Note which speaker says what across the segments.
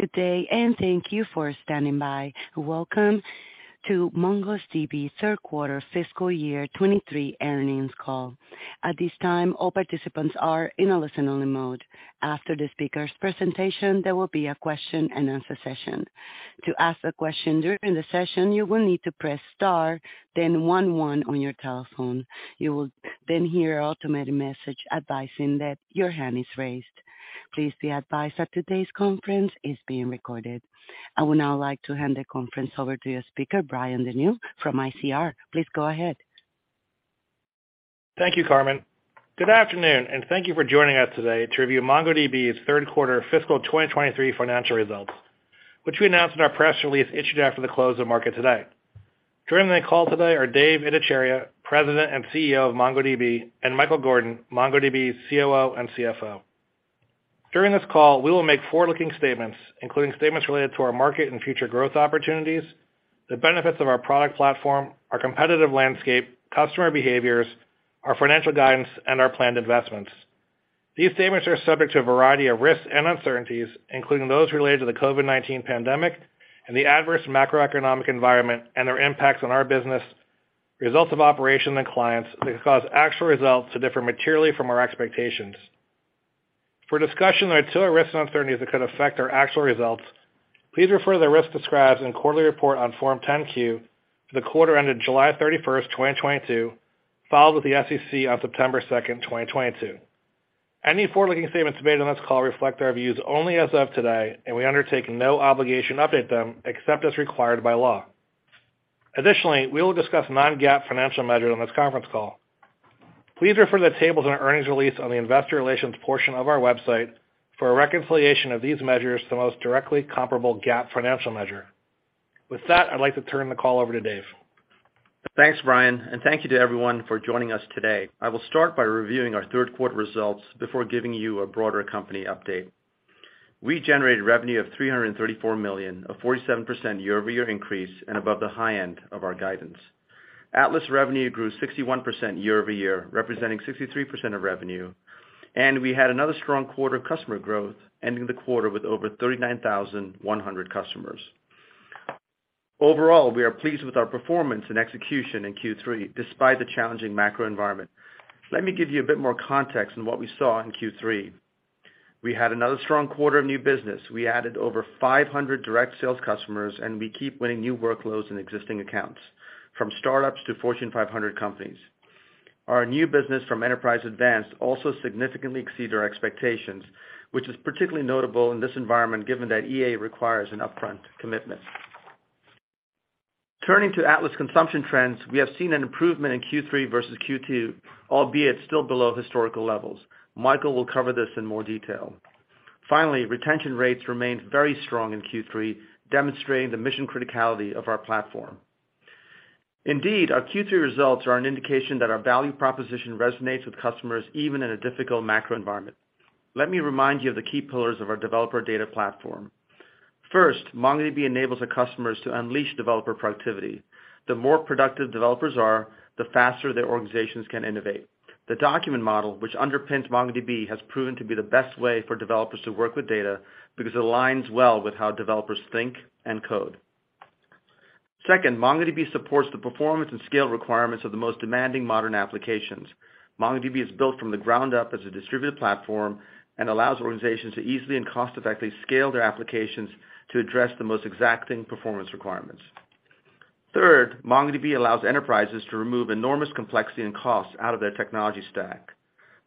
Speaker 1: Good day, thank you for standing by. Welcome to MongoDB third quarter fiscal year 2023 earnings call. At this time, all participants are in a listen-only mode. After the speaker's presentation, there will be a question-and-answer session. To ask a question during the session, you will need to press star then one one on your telephone. You will hear an automated message advising that your hand is raised. Please be advised that today's conference is being recorded. I would now like to hand the conference over to your speaker, Brian Denyeau from ICR. Please go ahead.
Speaker 2: Thank you, Carmen. Good afternoon, thank you for joining us today to review MongoDB's third quarter fiscal 2023 financial results, which we announced in our press release issued after the close of market today. Joining the call today are Dev Ittycheria, President and CEO of MongoDB, and Michael Gordon, MongoDB's COO and CFO. During this call, we will make forward-looking statements, including statements related to our market and future growth opportunities, the benefits of our product platform, our competitive landscape, customer behaviors, our financial guidance, and our planned investments. These statements are subject to a variety of risks and uncertainties, including those related to the COVID-19 pandemic and the adverse macroeconomic environment and their impacts on our business, results of operation and clients that could cause actual results to differ materially from our expectations. For a discussion of the risks and uncertainties that could affect our actual results, please refer to the risks described in quarterly report on Form 10-Q for the quarter ended July 31, 2022, filed with the SEC on September 2, 2022. Any forward-looking statements made on this call reflect our views only as of today, and we undertake no obligation to update them except as required by law. Additionally, we will discuss non-GAAP financial measures on this conference call. Please refer to the tables in our earnings release on the investor relations portion of our website for a reconciliation of these measures to the most directly comparable GAAP financial measure. With that, I'd like to turn the call over to Dev.
Speaker 3: Thanks, Brian, and thank you to everyone for joining us today. I will start by reviewing our third quarter results before giving you a broader company update. We generated revenue of $334 million, a 47% year-over-year increase and above the high end of our guidance. Atlas revenue grew 61% year-over-year, representing 63% of revenue, and we had another strong quarter of customer growth, ending the quarter with over 39,100 customers. Overall, we are pleased with our performance and execution in Q3, despite the challenging macro environment. Let me give you a bit more context on what we saw in Q3. We had another strong quarter of new business. We added over 500 direct sales customers, and we keep winning new workloads in existing accounts, from startups to Fortune 500 companies. Our new business from Enterprise Advanced also significantly exceeded our expectations, which is particularly notable in this environment, given that EA requires an upfront commitment. Turning to Atlas consumption trends, we have seen an improvement in Q3 versus Q2, albeit still below historical levels. Michael will cover this in more detail. Finally, retention rates remained very strong in Q3, demonstrating the mission criticality of our platform. Indeed, our Q3 results are an indication that our value proposition resonates with customers even in a difficult macro environment. Let me remind you of the key pillars of our developer data platform. First, MongoDB enables the customers to unleash developer productivity. The more productive developers are, the faster their organizations can innovate. The document model, which underpins MongoDB, has proven to be the best way for developers to work with data because it aligns well with how developers think and code. Second, MongoDB supports the performance and scale requirements of the most demanding modern applications. MongoDB is built from the ground up as a distributed platform and allows organizations to easily and cost-effectively scale their applications to address the most exacting performance requirements. Third, MongoDB allows enterprises to remove enormous complexity and costs out of their technology stack.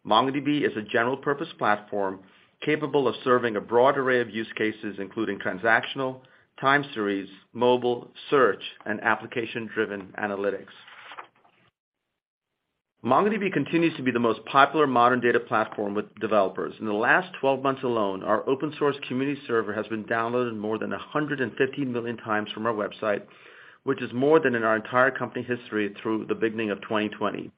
Speaker 3: MongoDB is a general-purpose platform capable of serving a broad array of use cases, including transactional, time series, mobile, search, and application-driven analytics. MongoDB continues to be the most popular modern data platform with developers. In the last 12 months alone, our open source community server has been downloaded more than 150 million times from our website, which is more than in our entire company history through the beginning of 2020.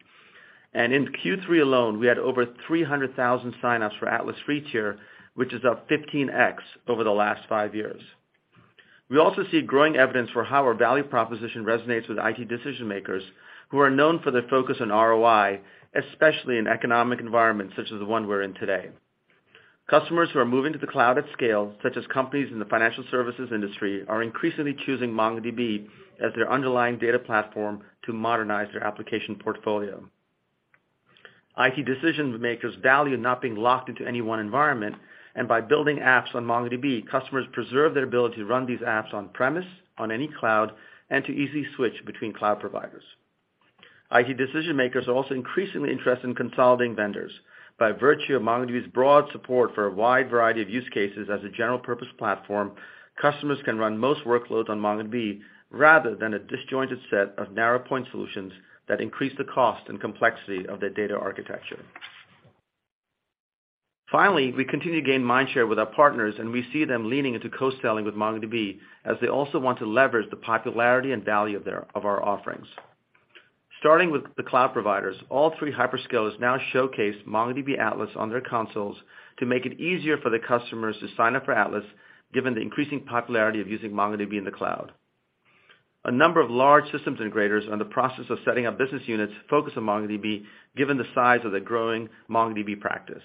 Speaker 3: In Q3 alone, we had over 300,000 sign-ups for Atlas Free Tier, which is up 15x over the last five years. We also see growing evidence for how our value proposition resonates with IT decision-makers who are known for their focus on ROI, especially in economic environments such as the one we're in today. Customers who are moving to the cloud at scale, such as companies in the financial services industry, are increasingly choosing MongoDB as their underlying data platform to modernize their application portfolio. IT decision-makers value not being locked into any one environment, and by building apps on MongoDB, customers preserve their ability to run these apps on-premise, on any cloud, and to easily switch between cloud providers. IT decision-makers are also increasingly interested in consolidating vendors. By virtue of MongoDB's broad support for a wide variety of use cases as a general purpose platform, customers can run most workloads on MongoDB rather than a disjointed set of narrow point solutions that increase the cost and complexity of their data architecture. Finally, we continue to gain mind share with our partners, and we see them leaning into co-selling with MongoDB as they also want to leverage the popularity and value of our offerings. Starting with the cloud providers, all three hyperscalers now showcase MongoDB Atlas on their consoles to make it easier for the customers to sign up for Atlas given the increasing popularity of using MongoDB in the cloud. A number of large systems integrators are in the process of setting up business units focused on MongoDB, given the size of the growing MongoDB practice.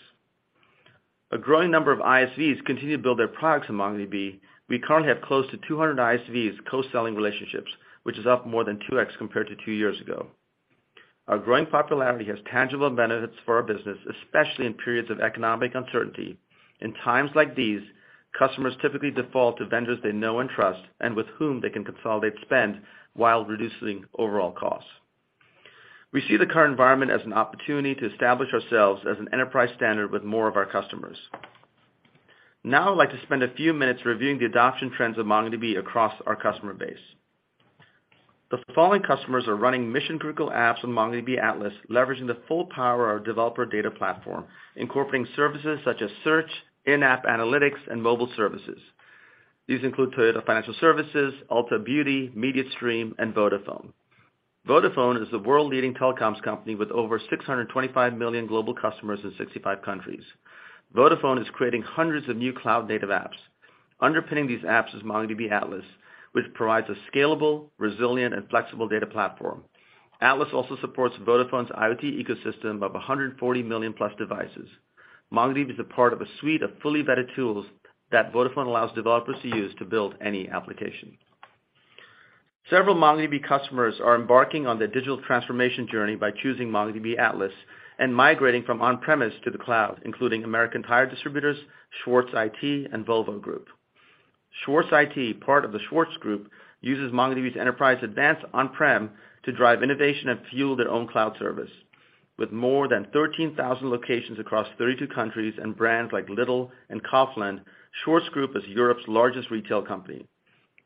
Speaker 3: A growing number of ISVs continue to build their products in MongoDB. We currently have close to 200 ISVs co-selling relationships, which is up more than 2x compared to two years ago. Our growing popularity has tangible benefits for our business, especially in periods of economic uncertainty. In times like these, customers typically default to vendors they know and trust, and with whom they can consolidate spend while reducing overall costs. We see the current environment as an opportunity to establish ourselves as an enterprise standard with more of our customers. Now I'd like to spend a few minutes reviewing the adoption trends of MongoDB across our customer base. The following customers are running mission-critical apps on MongoDB Atlas, leveraging the full power of our developer data platform, incorporating services such as search, in-app analytics, and mobile services. These include Toyota Financial Services, Ulta Beauty, Mediastream and Vodafone. Vodafone is the world-leading telecoms company with over 625 million global customers in 65 countries. Vodafone is creating hundreds of new cloud-native apps. Underpinning these apps is MongoDB Atlas, which provides a scalable, resilient, and flexible data platform. Atlas also supports Vodafone's IoT ecosystem of 140 million-plus devices. MongoDB is a part of a suite of fully vetted tools that Vodafone allows developers to use to build any application. Several MongoDB customers are embarking on their digital transformation journey by choosing MongoDB Atlas and migrating from on-premise to the cloud, including American Tire Distributors, Schwarz IT, and Volvo Group. Schwarz IT, part of the Schwarz Group, uses MongoDB Enterprise Advanced on-prem to drive innovation and fuel their own cloud service. With more than 13,000 locations across 32 countries and brands like Lidl and Kaufland, Schwarz Group is Europe's largest retail company.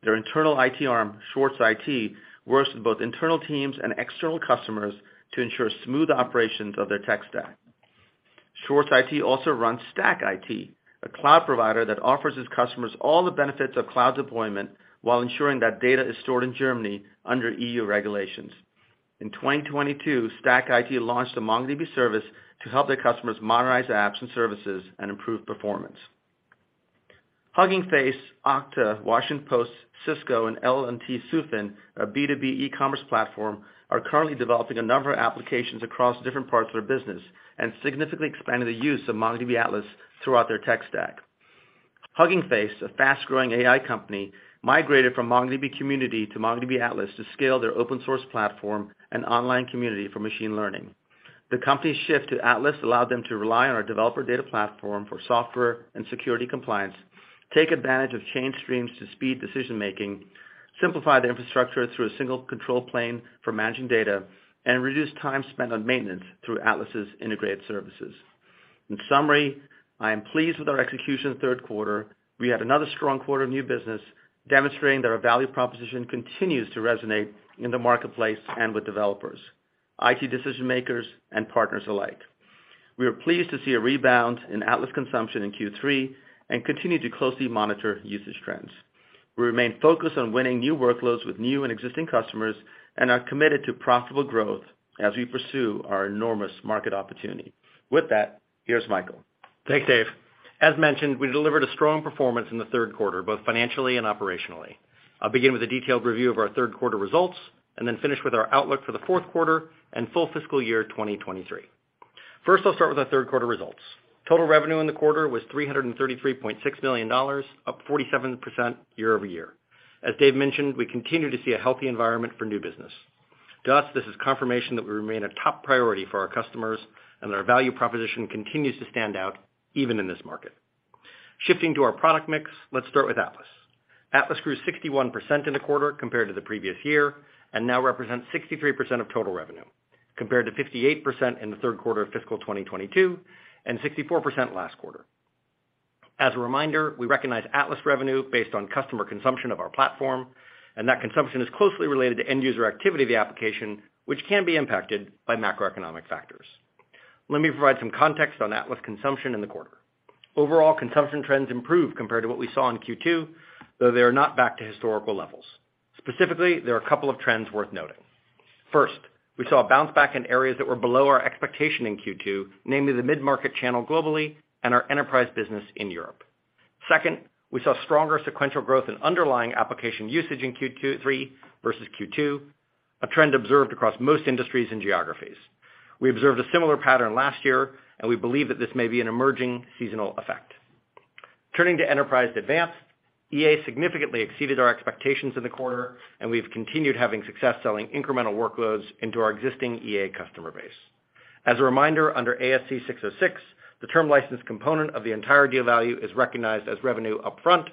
Speaker 3: Their internal IT arm, Schwarz IT, works with both internal teams and external customers to ensure smooth operations of their tech stack. Schwarz IT also runs STACKIT, a cloud provider that offers its customers all the benefits of cloud deployment while ensuring that data is stored in Germany under EU regulations. In 2022, STACKIT launched a MongoDB service to help their customers modernize apps and services and improve performance. Hugging Face, Okta, Washington Post, Cisco, and L&T-Sufin, a B2B e-commerce platform, are currently developing a number of applications across different parts of their business and significantly expanding the use of MongoDB Atlas throughout their tech stack. Hugging Face, a fast-growing AI company, migrated from MongoDB Community to MongoDB Atlas to scale their open source platform and online community for machine learning. The company's shift to Atlas allowed them to rely on our developer data platform for software and security compliance, take advantage of change streams to speed decision-making, simplify their infrastructure through a single control plane for managing data, and reduce time spent on maintenance through Atlas' integrated services. In summary, I am pleased with our execution in the third quarter. We had another strong quarter of new business, demonstrating that our value proposition continues to resonate in the marketplace and with developers, IT decision-makers, and partners alike. We are pleased to see a rebound in Atlas consumption in Q3 and continue to closely monitor usage trends. We remain focused on winning new workloads with new and existing customers, and are committed to profitable growth as we pursue our enormous market opportunity. With that, here's Michael.
Speaker 4: Thanks, Dev. As mentioned, we delivered a strong performance in the third quarter, both financially and operationally. I'll begin with a detailed review of our third quarter results, and then finish with our outlook for the fourth quarter and full fiscal year 2023. First, I'll start with our third quarter results. Total revenue in the quarter was $333.6 million, up 47% year-over-year. As Dev mentioned, we continue to see a healthy environment for new business. To us, this is confirmation that we remain a top priority for our customers and that our value proposition continues to stand out even in this market. Shifting to our product mix, let's start with Atlas. Atlas grew 61% in the quarter compared to the previous year. Now represents 63% of total revenue, compared to 58% in the third quarter of fiscal 2022 and 64% last quarter. As a reminder, we recognize Atlas revenue based on customer consumption of our platform, and that consumption is closely related to end user activity of the application, which can be impacted by macroeconomic factors. Let me provide some context on Atlas consumption in the quarter. Overall, consumption trends improved compared to what we saw in Q2, though they are not back to historical levels. Specifically, there are a couple of trends worth noting. First, we saw a bounce back in areas that were below our expectation in Q2, namely the mid-market channel globally and our enterprise business in Europe. Second, we saw stronger sequential growth in underlying application usage in Q3 versus Q2, a trend observed across most industries and geographies. We observed a similar pattern last year, we believe that this may be an emerging seasonal effect. Turning to Enterprise Advanced, EA significantly exceeded our expectations in the quarter, we've continued having success selling incremental workloads into our existing EA customer base. As a reminder, under ASC 606, the term license component of the entire deal value is recognized as revenue upfront.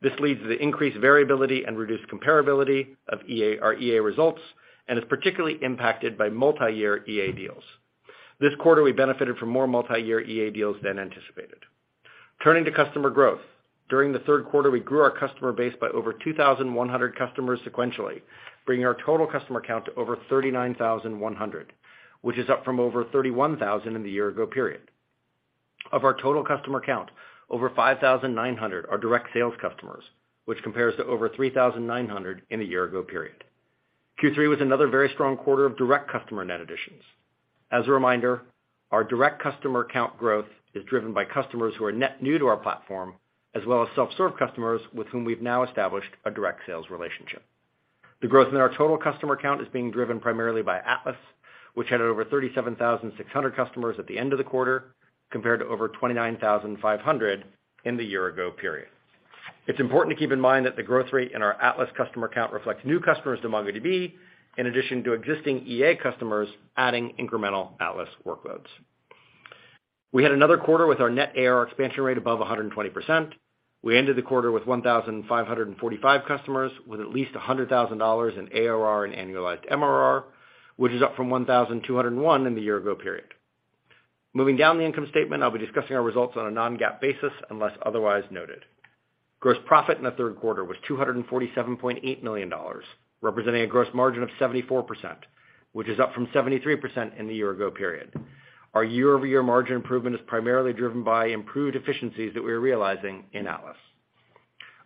Speaker 4: This leads to the increased variability and reduced comparability of our EA results and is particularly impacted by multi-year EA deals. This quarter, we benefited from more multi-year EA deals than anticipated. Turning to customer growth. During the third quarter, we grew our customer base by over 2,100 customers sequentially, bringing our total customer count to over 39,100, which is up from over 31,000 in the year-ago period. Of our total customer count, over 5,900 are direct sales customers, which compares to over 3,900 in the year-ago period. Q3 was another very strong quarter of direct customer net additions. As a reminder, our direct customer count growth is driven by customers who are net new to our platform, as well as self-serve customers with whom we've now established a direct sales relationship. The growth in our total customer count is being driven primarily by Atlas, which had over 37,600 customers at the end of the quarter, compared to over 29,500 in the year-ago period. It's important to keep in mind that the growth rate in our Atlas customer count reflects new customers to MongoDB, in addition to existing EA customers adding incremental Atlas workloads. We had another quarter with our net ARR expansion rate above 120%. We ended the quarter with 1,545 customers with at least $100,000 in ARR and annualized MRR, which is up from 1,201 in the year-ago period. Moving down the income statement, I'll be discussing our results on a non-GAAP basis unless otherwise noted. Gross profit in the third quarter was $247.8 million, representing a gross margin of 74%, which is up from 73% in the year-ago period. Our year-over-year margin improvement is primarily driven by improved efficiencies that we are realizing in Atlas.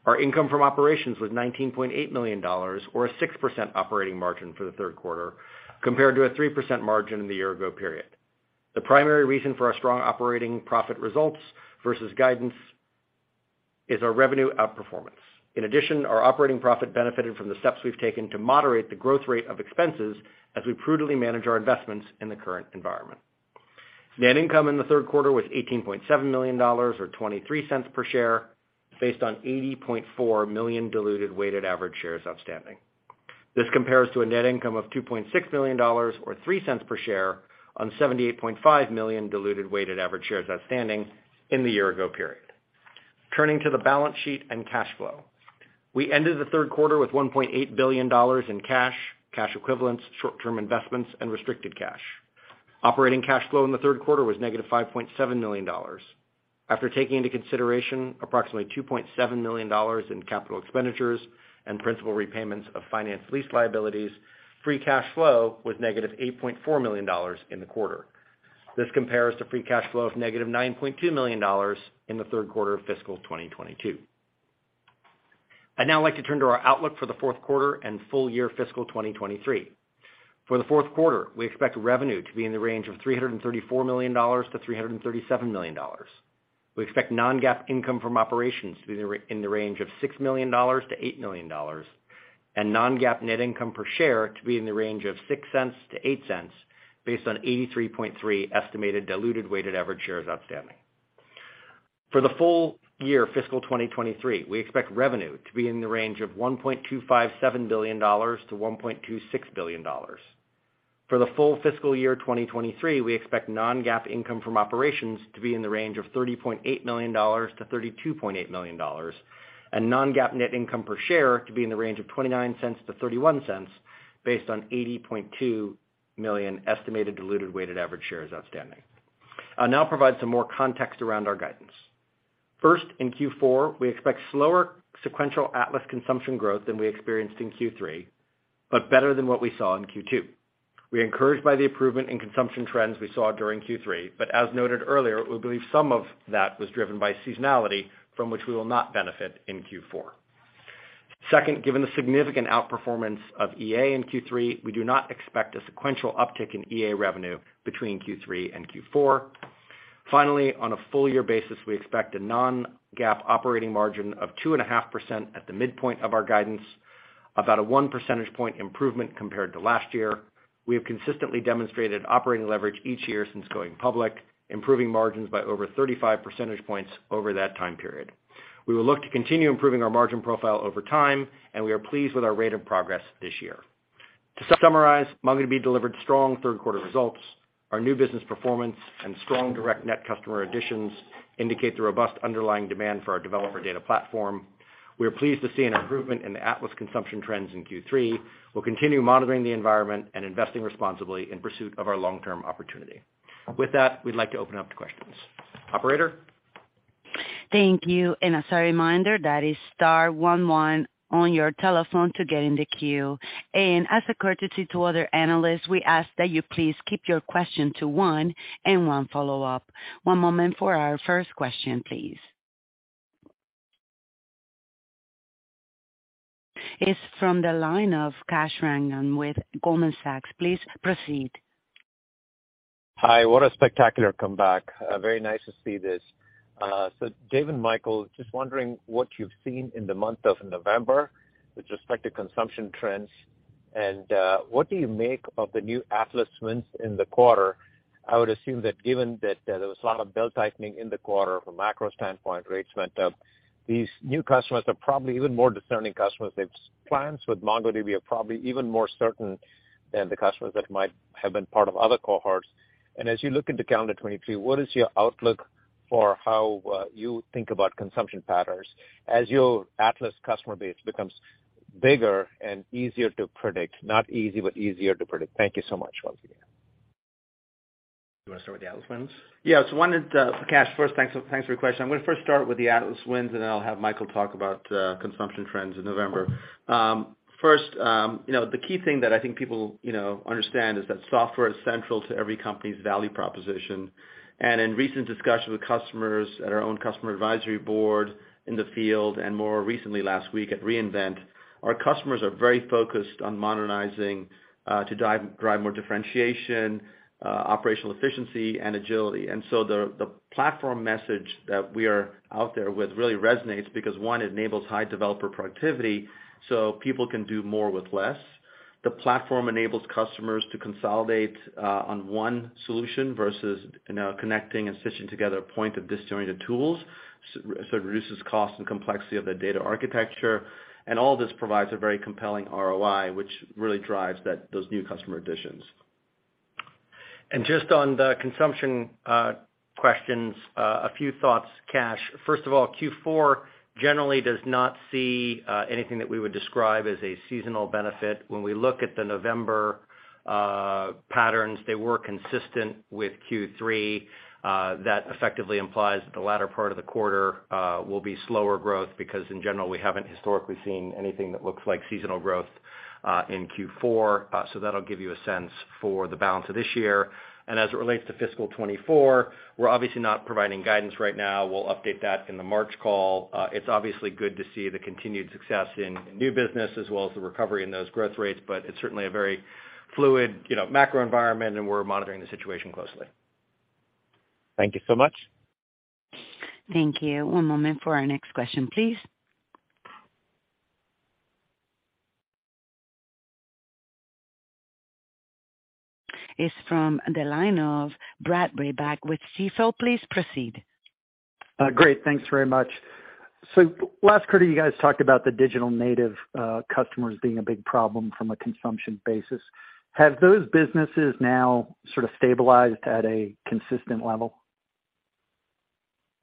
Speaker 4: Our income from operations was $19.8 million or a 6% operating margin for the third quarter, compared to a 3% margin in the year ago period. The primary reason for our strong operating profit results versus guidance is our revenue outperformance. In addition, our operating profit benefited from the steps we've taken to moderate the growth rate of expenses as we prudently manage our investments in the current environment. Net income in the third quarter was $18.7 million or $0.23 per share based on 80.4 million diluted weighted average shares outstanding. This compares to a net income of $2.6 million or $0.03 per share on 78.5 million diluted weighted average shares outstanding in the year ago period. Turning to the balance sheet and cash flow. We ended the third quarter with $1.8 billion in cash equivalents, short-term investments, and restricted cash. Operating cash flow in the third quarter was -$5.7 million. After taking into consideration approximately $2.7 million in capital expenditures and principal repayments of finance lease liabilities, free cash flow was -$8.4 million in the quarter. This compares to free cash flow of -$9.2 million in the third quarter of fiscal 2022. I'd now like to turn to our outlook for the fourth quarter and full year fiscal 2023. For the fourth quarter, we expect revenue to be in the range of $334 million-$337 million. We expect non-GAAP income from operations to be in the range of $6 million-$8 million, and non-GAAP net income per share to be in the range of $0.06-$0.08 based on 83.3 estimated diluted weighted average shares outstanding. For the full year fiscal 2023, we expect revenue to be in the range of $1.257 billion-$1.26 billion. For the full fiscal year 2023, we expect non-GAAP income from operations to be in the range of $30.8 million-$32.8 million, and non-GAAP net income per share to be in the range of $0.29-$0.31 based on 80.2 million estimated diluted weighted average shares outstanding. I'll now provide some more context around our guidance. First, in Q4, we expect slower sequential Atlas consumption growth than we experienced in Q3, but better than what we saw in Q2. We're encouraged by the improvement in consumption trends we saw during Q3, but as noted earlier, we believe some of that was driven by seasonality from which we will not benefit in Q4. Second, given the significant outperformance of EA in Q3, we do not expect a sequential uptick in EA revenue between Q3 and Q4. Finally, on a full year basis, we expect a non-GAAP operating margin of 2.5% at the midpoint of our guidance, about a 1 percentage point improvement compared to last year. We have consistently demonstrated operating leverage each year since going public, improving margins by over 35 percentage points over that time period. We will look to continue improving our margin profile over time. We are pleased with our rate of progress this year. To summarize, MongoDB delivered strong third quarter results. Our new business performance and strong direct net customer additions indicate the robust underlying demand for our developer data platform. We are pleased to see an improvement in the Atlas consumption trends in Q3. We'll continue monitoring the environment and investing responsibly in pursuit of our long-term opportunity. With that, we'd like to open up to questions. Operator?
Speaker 1: Thank you. As a reminder, that is star one one on your telephone to get in the queue. As a courtesy to other analysts, we ask that you please keep your question to one and one follow-up. One moment for our first question, please. It's from the line of Kash Rangan with Goldman Sachs. Please proceed.
Speaker 5: Hi. What a spectacular comeback. Very nice to see this. So, Dev and Michael, just wondering what you've seen in the month of November with just like the consumption trends and what do you make of the new Atlas wins in the quarter? I would assume that given that there was a lot of belt-tightening in the quarter from a macro standpoint, rates went up, these new customers are probably even more discerning customers. These clients with MongoDB are probably even more certain than the customers that might have been part of other cohorts. And as you look into calendar 2023, what is your outlook for how you think about consumption patterns as your Atlas customer base becomes bigger and easier to predict? Not easy, but easier to predict. Thank you so much once again.
Speaker 3: You wanna start with the Atlas wins? Yeah. One is, Kash, first, thanks for your question. I'm gonna first start with the Atlas wins, and then I'll have Michael talk about consumption trends in November. First, you know, the key thing that I think people, you know, understand is that software is central to every company's value proposition. In recent discussions with customers at our own customer advisory board in the field, and more recently last week at re-invent, our customers are very focused on modernizing to drive more differentiation, operational efficiency and agility. The, the platform message that we are out there with really resonates because, one, it enables high developer productivity, so people can do more with less. The platform enables customers to consolidate on one solution versus, you know, connecting and stitching together point of disjointed tools. It reduces cost and complexity of the data architecture, all this provides a very compelling ROI, which really drives those new customer additions.
Speaker 4: Just on the consumption questions, a few thoughts, Cash. First of all, Q4 generally does not see anything that we would describe as a seasonal benefit. When we look at the November patterns, they were consistent with Q3. That effectively implies that the latter part of the quarter will be slower growth because in general, we haven't historically seen anything that looks like seasonal growth in Q4. That'll give you a sense for the balance of this year. As it relates to fiscal 2024, we're obviously not providing guidance right now. We'll update that in the March call. It's obviously good to see the continued success in new business as well as the recovery in those growth rates, but it's certainly a very fluid, you know, macro environment and we're monitoring the situation closely.
Speaker 5: Thank you so much.
Speaker 1: Thank you. One moment for our next question, please. It's from the line of Brad Reback with Stifel. Please proceed.
Speaker 6: Great. Thanks very much. Last quarter, you guys talked about the digital native customers being a big problem from a consumption basis. Have those businesses now sort of stabilized at a consistent level?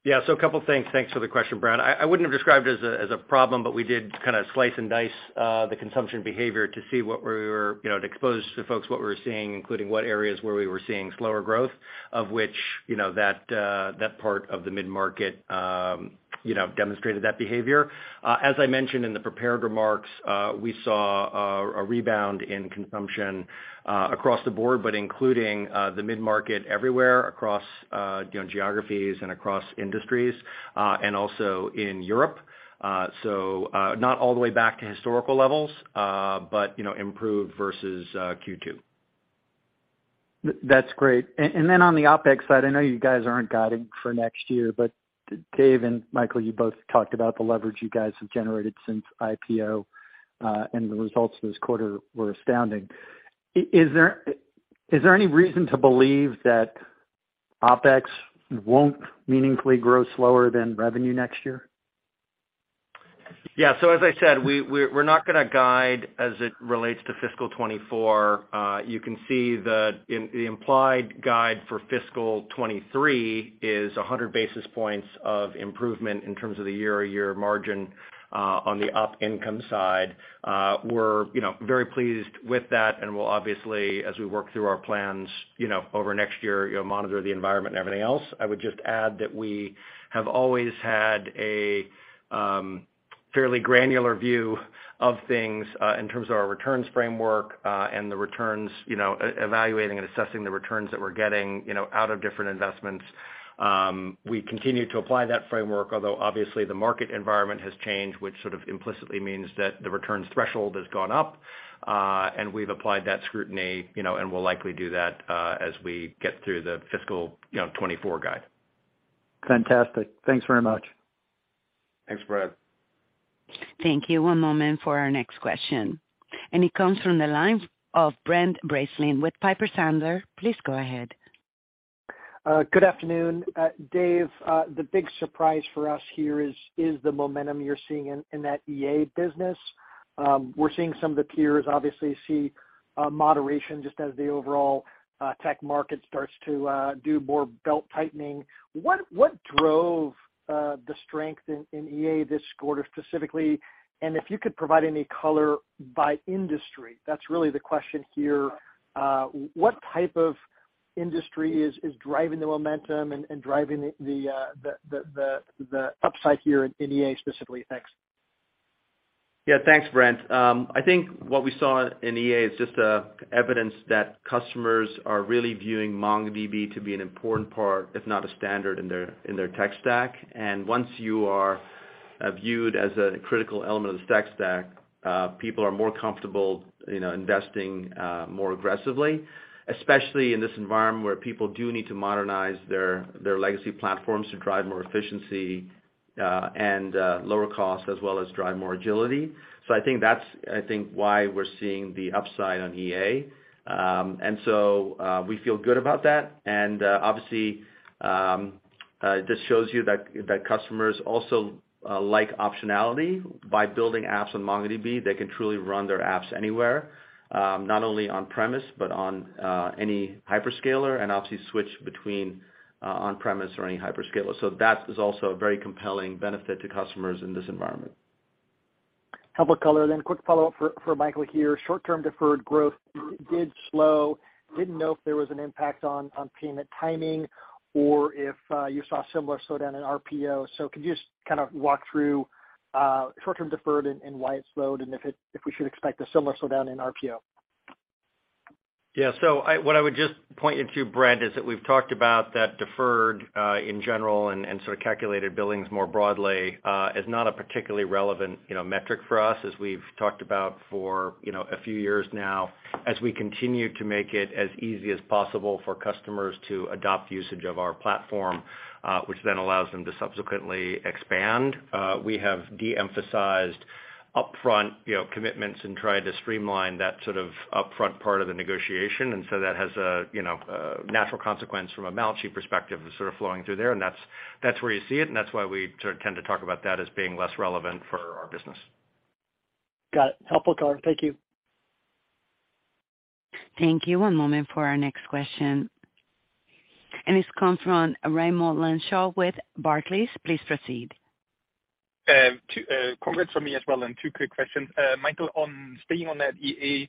Speaker 4: Yeah. A couple things. Thanks for the question, Brad. I wouldn't have described it as a problem, but we did kind of slice and dice the consumption behavior to see what we were, you know, to expose to folks what we were seeing, including what areas where we were seeing slower growth, of which, you know, that part of the mid-market, you know, demonstrated that behavior. As I mentioned in the prepared remarks, we saw a rebound in consumption across the board, but including the mid-market everywhere across, you know, geographies and across industries, and also in Europe. Not all the way back to historical levels, but, you know, improved versus Q2.
Speaker 6: That's great. On the OpEx side, I know you guys aren't guiding for next year, Dave and Michael, you both talked about the leverage you guys have generated since IPO, and the results this quarter were astounding. Is there any reason to believe that OpEx won't meaningfully grow slower than revenue next year?
Speaker 4: Yeah. As I said, we're not gonna guide as it relates to fiscal 2024. You can see in the implied guide for fiscal 2023 is 100 basis points of improvement in terms of the year-over-year margin on the op income side. We're, you know, very pleased with that and we'll obviously, as we work through our plans, you know, over next year, you know, monitor the environment and everything else. I would just add that we have always had a fairly granular view of things in terms of our returns framework, and the returns, you know, evaluating and assessing the returns that we're getting, you know, out of different investments. We continue to apply that framework, although obviously the market environment has changed, which sort of implicitly means that the returns threshold has gone up, and we've applied that scrutiny, you know, and we'll likely do that, as we get through the fiscal, you know, 24 guide.
Speaker 6: Fantastic. Thanks very much.
Speaker 4: Thanks, Brad.
Speaker 1: Thank you. One moment for our next question. It comes from the line of Brent Bracelin with Piper Sandler. Please go ahead.
Speaker 7: Good afternoon. Dev, the big surprise for us here is the momentum you're seeing in that EA business. We're seeing some of the peers obviously see moderation just as the overall tech market starts to do more belt-tightening. What drove the strength in EA this quarter specifically? If you could provide any color by industry, that's really the question here. What type of industry is driving the momentum and driving the upside here in EA specifically? Thanks.
Speaker 3: Yeah. Thanks, Brent. I think what we saw in EA is just a evidence that customers are really viewing MongoDB to be an important part, if not a standard in their, in their tech stack. Once you are viewed as a critical element of the tech stack, people are more comfortable, you know, investing more aggressively, especially in this environment where people do need to modernize their legacy platforms to drive more efficiency, and lower costs as well as drive more agility. I think that's, I think, why we're seeing the upside on EA. We feel good about that. Obviously, this shows you that customers also like optionality. By building apps on MongoDB, they can truly run their apps anywhere, not only on-premise, but on any hyperscaler, and obviously switch between on-premise or any hyperscaler. That is also a very compelling benefit to customers in this environment.
Speaker 7: Helpful color. Quick follow-up for Michael here. Short-term deferred growth did slow. Didn't know if there was an impact on payment timing or if you saw a similar slowdown in RPO. Could you just kind of walk through short-term deferred and why it slowed, and if we should expect a similar slowdown in RPO?
Speaker 4: What I would just point you to, Brent, is that we've talked about that deferred, in general and sort of calculated billings more broadly, is not a particularly relevant, you know, metric for us as we've talked about for, you know, a few years now. As we continue to make it as easy as possible for customers to adopt usage of our platform, which then allows them to subsequently expand, we have de-emphasized upfront, you know, commitments and tried to streamline that sort of upfront part of the negotiation. That has a, you know, a natural consequence from a balance sheet perspective of sort of flowing through there. That's where you see it, and that's why we sort of tend to talk about that as being less relevant for our business.
Speaker 7: Got it. Helpful, Colin. Thank you.
Speaker 1: Thank you. One moment for our next question. This comes from Raimo Lenschow with Barclays. Please proceed.
Speaker 8: Two, congrats from me as well, and two quick questions. Michael, on staying on that EA,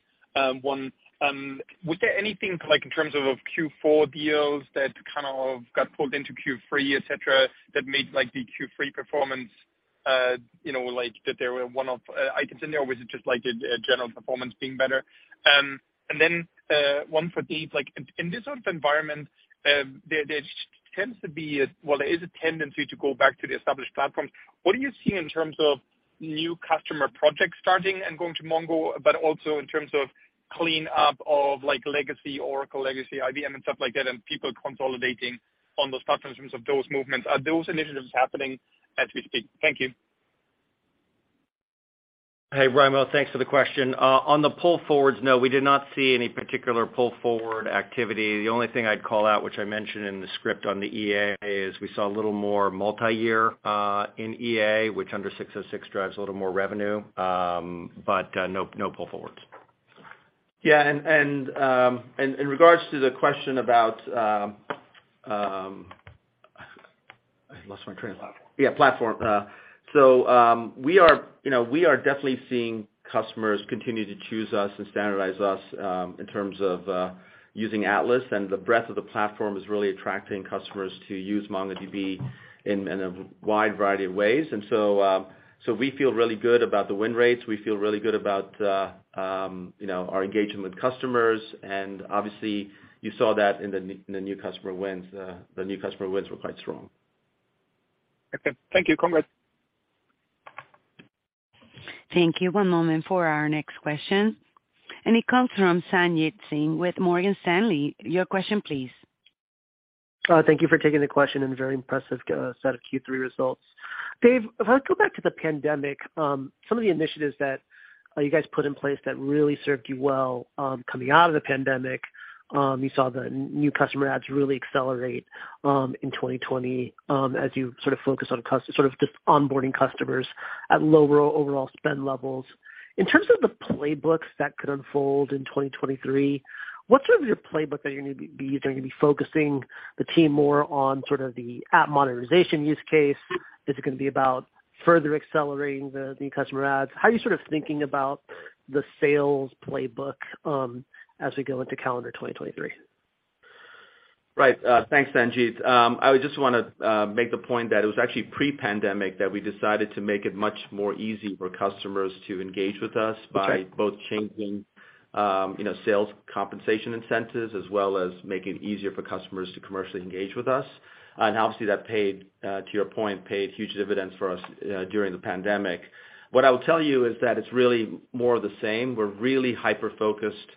Speaker 8: was there anything in terms of Q4 deals that kind of got pulled into Q3, et cetera, that made the Q3 performance, you know, that they were one of items in there? Was it just a general performance being better? One for Dave. In this sort of environment, there is a tendency to go back to the established platforms. What are you seeing in terms of new customer projects starting and going to MongoDB, but also in terms of clean up of legacy Oracle, legacy IBM and stuff like that, and people consolidating on those platforms in terms of those movements. Are those initiatives happening as we speak? Thank you.
Speaker 4: Hey, Raimo, thanks for the question. On the pull forwards, no, we did not see any particular pull forward activity. The only thing I'd call out, which I mentioned in the script on the EA, is we saw a little more multi-year in EA, which under ASC 606 drives a little more revenue, but no pull forwards.
Speaker 3: Yeah. In regards to the question about, I lost my train of thought.
Speaker 4: Platform.
Speaker 3: Yeah, platform. We are, you know, we are definitely seeing customers continue to choose us and standardize us, in terms of, using Atlas. The breadth of the platform is really attracting customers to use MongoDB in a wide variety of ways. We feel really good about the win rates. We feel really good about, you know, our engagement with customers. Obviously you saw that in the new customer wins. The new customer wins were quite strong.
Speaker 8: Okay. Thank you. Congrats.
Speaker 1: Thank you. One moment for our next question. It comes from Sanjit Singh with Morgan Stanley. Your question please.
Speaker 9: Thank you for taking the question, and very impressive set of Q3 results. Dev, if I go back to the pandemic, some of the initiatives that you guys put in place that really served you well, coming out of the pandemic, you saw the new customer adds really accelerate in 2020, as you sort of focused on sort of just onboarding customers at lower overall spend levels. In terms of the playbooks that could unfold in 2023, what's sort of your playbook that you're gonna be using? Are you gonna be focusing the team more on sort of the app monetization use case? Is it gonna be about further accelerating the customer adds? How are you sort of thinking about the sales playbook as we go into calendar 2023?
Speaker 3: Right. thanks, Sanjit. I would just wanna make the point that it was actually pre-pandemic that we decided to make it much more easy for customers to engage with us.
Speaker 9: Okay.
Speaker 3: By both changing, you know, sales compensation incentives as well as making it easier for customers to commercially engage with us. Obviously that paid, to your point, paid huge dividends for us during the pandemic. What I will tell you is that it's really more of the same. We're really hyper-focused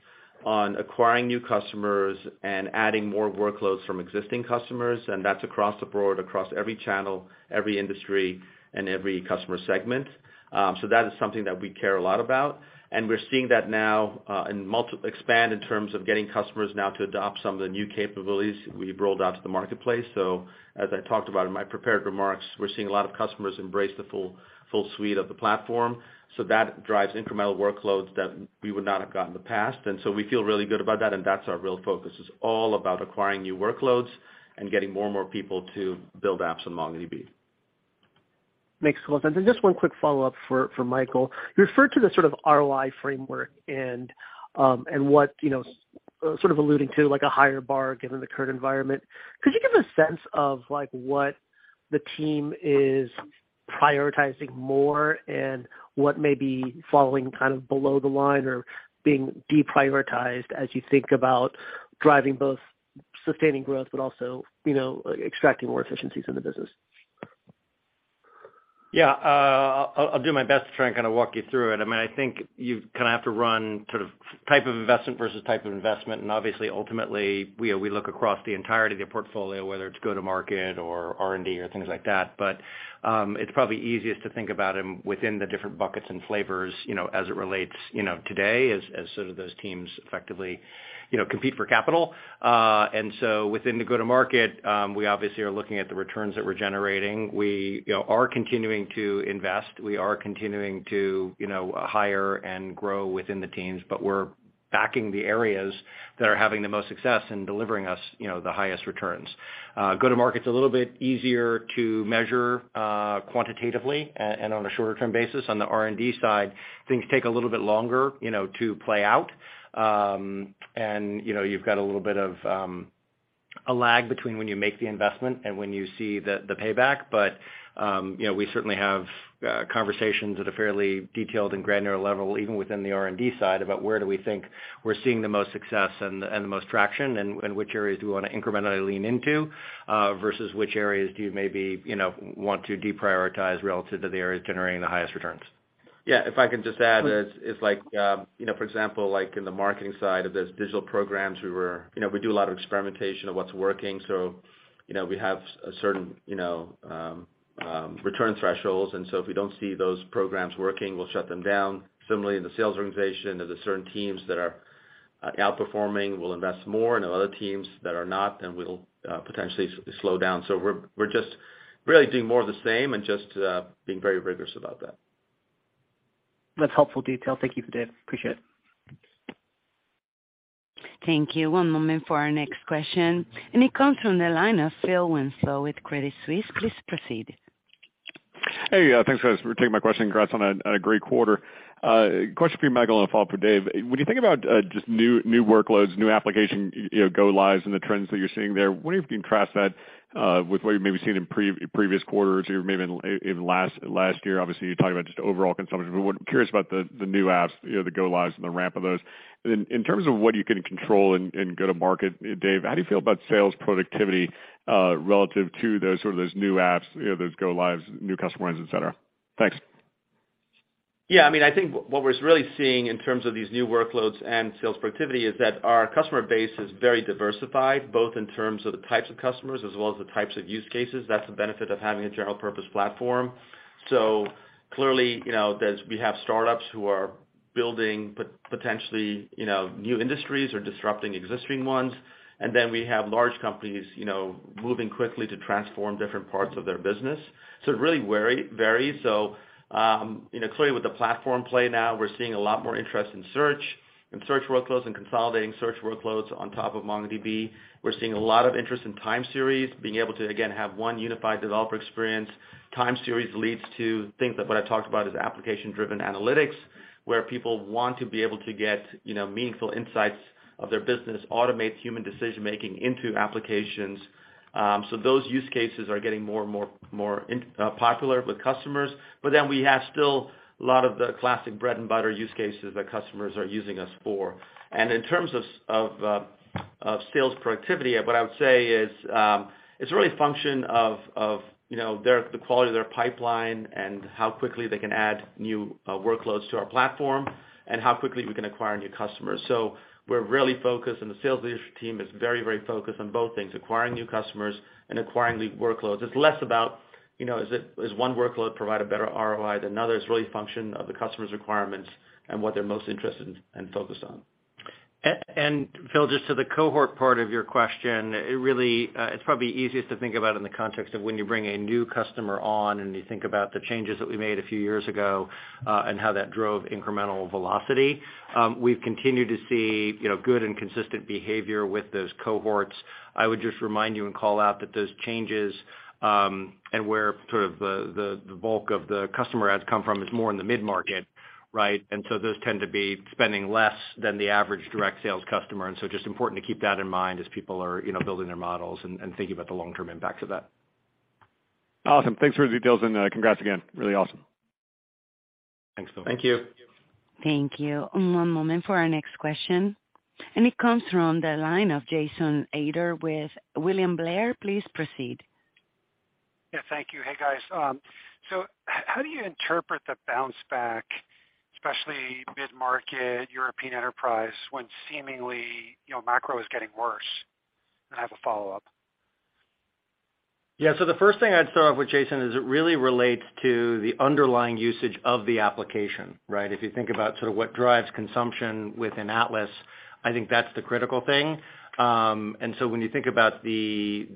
Speaker 3: on acquiring new customers and adding more workloads from existing customers, and that's across the board, across every channel, every industry, and every customer segment. That is something that we care a lot about, and we're seeing that now, in multi- expand in terms of getting customers now to adopt some of the new capabilities we've rolled out to the marketplace. As I talked about in my prepared remarks, we're seeing a lot of customers embrace the full suite of the platform. That drives incremental workloads that we would not have got in the past. We feel really good about that, and that's our real focus is all about acquiring new workloads and getting more and more people to build apps on MongoDB.
Speaker 9: Makes a lot of sense. Just one quick follow-up for Michael. You referred to the sort of ROI framework and what, you know, sort of alluding to like a higher bar given the current environment. Could you give a sense of like what the team is prioritizing more and what may be falling kind of below the line or being deprioritized as you think about driving both sustaining growth but also, you know, extracting more efficiencies in the business?
Speaker 4: Yeah. I'll do my best to try and kinda walk you through it. I mean, I think you kind of have to run sort of type of investment versus type of investment. Obviously ultimately, we look across the entirety of the portfolio, whether it's go-to-market or R&D or things like that. It's probably easiest to think about them within the different buckets and flavors, you know, as it relates, you know, today as sort of those teams effectively, you know, compete for capital. Within the go-to-market, we obviously are looking at the returns that we're generating. We, you know, are continuing to invest, we are continuing to, you know, hire and grow within the teams, but we're backing the areas that are having the most success in delivering us, you know, the highest returns. Go-to-market's a little bit easier to measure quantitatively and on a shorter term basis. On the R&D side, things take a little bit longer, you know, to play out. You know, you've got a little bit of a lag between when you make the investment and when you see the payback. You know, we certainly have conversations at a fairly detailed and granular level, even within the R&D side about where do we think we're seeing the most success and the most traction, and which areas do we wanna incrementally lean into versus which areas do you maybe, you know, want to deprioritize relative to the areas generating the highest returns.
Speaker 3: Yeah, if I can just add, it's like, you know, for example, like in the marketing side of those digital programs, we do a lot of experimentation of what's working, so, you know, we have a certain, you know, return thresholds. If we don't see those programs working, we'll shut them down. Similarly, in the sales organization, there's certain teams that are outperforming, we'll invest more. I know other teams that are not, and we'll potentially slow down. We're just really doing more of the same and just being very rigorous about that.
Speaker 9: That's helpful detail. Thank you, Dave. Appreciate it.
Speaker 1: Thank you. One moment for our next question. It comes from the line of Phil Winslow with Credit Suisse. Please proceed.
Speaker 10: Hey, thanks guys for taking my question. Congrats on a great quarter. Question for you, Michael, and a follow-up for Dev. When you think about just new workloads, new application, you know, go lives and the trends that you're seeing there, wonder if you can cross that with what you've maybe seen in previous quarters or maybe in last year. Obviously, you're talking about just overall consumption, we're curious about the new apps, you know, the go lives and the ramp of those. In terms of what you can control and go to market, Dev, how do you feel about sales productivity relative to those new apps, you know, those go lives, new customer wins, et cetera? Thanks.
Speaker 3: Yeah, I mean, I think what we're really seeing in terms of these new workloads and sales productivity is that our customer base is very diversified, both in terms of the types of customers as well as the types of use cases. That's the benefit of having a general purpose platform. Clearly, you know, we have startups who are building potentially, you know, new industries or disrupting existing ones. We have large companies, you know, moving quickly to transform different parts of their business. It really varies. You know, clearly with the platform play now, we're seeing a lot more interest in search workloads and consolidating search workloads on top of MongoDB. We're seeing a lot of interest in time series, being able to, again, have one unified developer experience. Time series leads to things that what I talked about is application-driven analytics, where people want to be able to get, you know, meaningful insights of their business, automate human decision-making into applications. Those use cases are getting more and more popular with customers. We have still a lot of the classic bread and butter use cases that customers are using us for. In terms of sales productivity, what I would say is, it's really a function of, you know, the quality of their pipeline and how quickly they can add new workloads to our platform and how quickly we can acquire new customers. We're really focused, and the sales leadership team is very, very focused on both things, acquiring new customers and acquiring new workloads. It's less about, you know, does one workload provide a better ROI than others? It's really a function of the customer's requirements and what they're most interested and focused on.
Speaker 4: Phil, just to the cohort part of your question, it really, it's probably easiest to think about in the context of when you bring a new customer on and you think about the changes that we made a few years ago, and how that drove incremental velocity. We've continued to see, you know, good and consistent behavior with those cohorts. I would just remind you and call out that those changes, and where sort of the bulk of the customer adds come from is more in the mid-market, right? Those tend to be spending less than the average direct sales customer. Just important to keep that in mind as people are, you know, building their models and thinking about the long-term impacts of that.
Speaker 10: Awesome. Thanks for the details and congrats again. Really awesome.
Speaker 3: Thanks, Phil.
Speaker 4: Thank you.
Speaker 1: Thank you. One moment for our next question. It comes from the line of Jason Ader with William Blair. Please proceed.
Speaker 11: Yeah, thank you. Hey, guys. How do you interpret the bounce back, especially mid-market European enterprise, when seemingly, you know, macro is getting worse? I have a follow-up.
Speaker 4: Yeah. The first thing I'd start off with, Jason, is it really relates to the underlying usage of the application, right? If you think about sort of what drives consumption within Atlas, I think that's the critical thing. When you think about the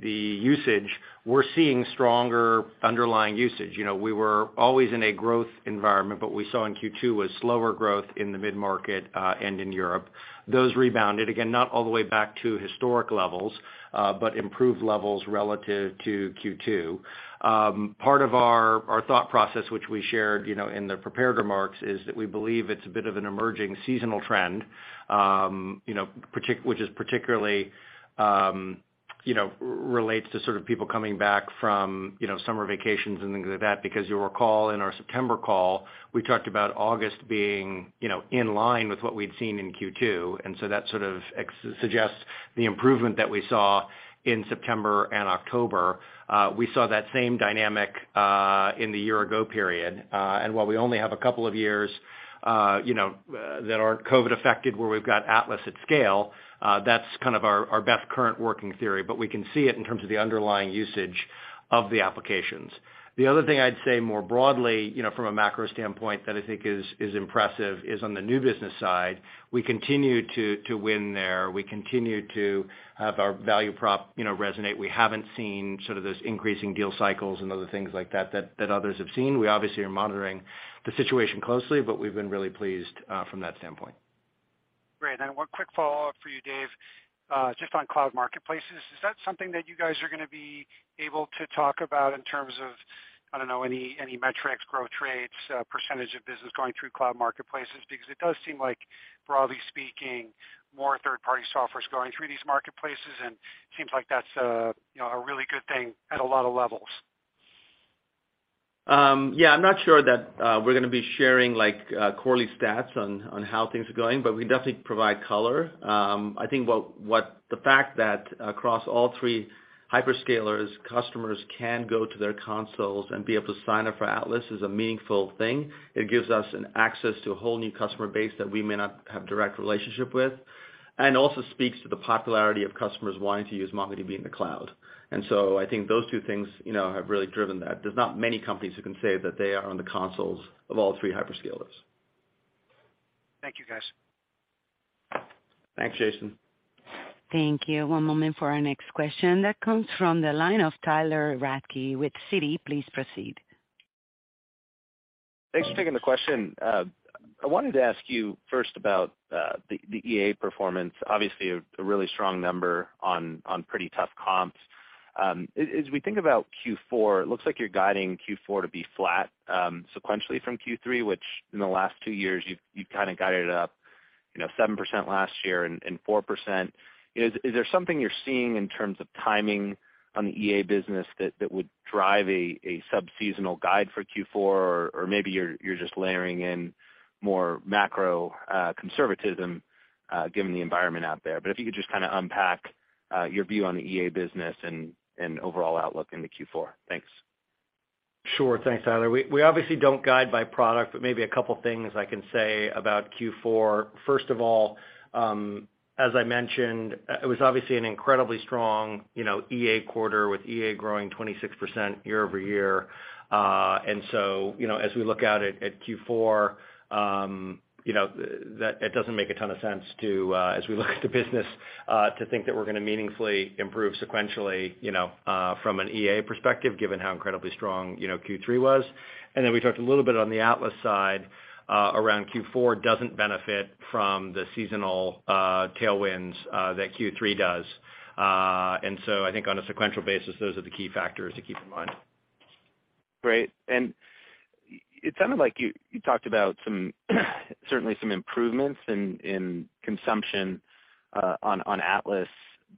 Speaker 4: usage, we're seeing stronger underlying usage. You know, we were always in a growth environment, but we saw in Q2 was slower growth in the mid-market and in Europe. Those rebounded, again, not all the way back to historic levels, but improved levels relative to Q2. Part of our thought process, which we shared, you know, in the prepared remarks, is that we believe it's a bit of an emerging seasonal trend, you know, which is particularly, you know, relates to sort of people coming back from, you know, summer vacations and things like that. You'll recall in our September call, we talked about August being, you know, in line with what we'd seen in Q2, and so that sort of suggests the improvement that we saw in September and October. We saw that same dynamic in the year ago period. While we only have a couple of years, you know, that aren't COVID affected, where we've got Atlas at scale, that's kind of our best current working theory. We can see it in terms of the underlying usage of the applications. The other thing I'd say more broadly, you know, from a macro standpoint that I think is impressive is on the new business side, we continue to win there. We continue to have our value prop, you know, resonate. We haven't seen sort of those increasing deal cycles and other things like that others have seen. We obviously are monitoring the situation closely, but we've been really pleased from that standpoint.
Speaker 11: Great. One quick follow-up for you, Dave, just on cloud marketplaces. Is that something that you guys are gonna be able to talk about in terms of, I don't know, any metrics, growth rates, % of business going through cloud marketplaces? Because it does seem like, broadly speaking, more third-party software is going through these marketplaces, and it seems like that's a, you know, a really good thing at a lot of levels.
Speaker 3: Yeah, I'm not sure that we're gonna be sharing like quarterly stats on how things are going, but we can definitely provide color. I think the fact that across all three hyperscalers, customers can go to their consoles and be able to sign up for Atlas is a meaningful thing. It gives us an access to a whole new customer base that we may not have direct relationship with, and also speaks to the popularity of customers wanting to use MongoDB in the cloud. I think those two things, you know, have really driven that. There's not many companies who can say that they are on the consoles of all three hyperscalers.
Speaker 11: Thank you, guys.
Speaker 3: Thanks, Jason.
Speaker 1: Thank you. One moment for our next question. That comes from the line of Tyler Radke with Citi. Please proceed.
Speaker 12: Thanks for taking the question. I wanted to ask you first about the EA performance. Obviously a really strong number on pretty tough comps. As we think about Q4, it looks like you're guiding Q4 to be flat sequentially from Q3, which in the last two years, you've kinda guided it up, you know, 7% last year and 4%. Is there something you're seeing in terms of timing on the EA business that would drive a sub-seasonal guide for Q4? Or maybe you're just layering in more macro conservatism given the environment out there. If you could just kinda unpack your view on the EA business and overall outlook into Q4. Thanks.
Speaker 4: Sure. Thanks, Tyler. We obviously don't guide by product, but maybe a couple things I can say about Q4. First of all, as I mentioned, it was obviously an incredibly strong, you know, EA quarter, with EA growing 26% year-over-year. You know, as we look out at Q4, you know, it doesn't make a ton of sense to, as we look at the business, to think that we're gonna meaningfully improve sequentially, you know, from an EA perspective, given how incredibly strong, you know, Q3 was. We talked a little bit on the Atlas side, around Q4 doesn't benefit from the seasonal tailwinds that Q3 does. I think on a sequential basis, those are the key factors to keep in mind.
Speaker 12: Great. It sounded like you talked about some, certainly some improvements in consumption on Atlas.